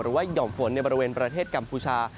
หย่อมฝนในบริเวณประเทศกัมพูชา